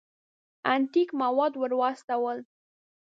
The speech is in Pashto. انتیک مواد ور واستول.